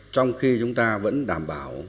trong khi chúng ta vẫn đảm bảo